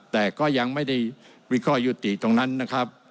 แต่ก็ยังไม่ได้วิเคราะห์ยุติตรงนั้นนะครับ